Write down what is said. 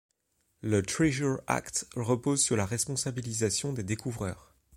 Le Treasure Act repose sur la responsabilisation des découvreurs.